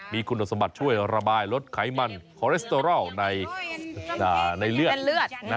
มีคุณสมบัติช่วยระบายลดไขมันคอเลสเตอรอลในเลือดเส้นเลือด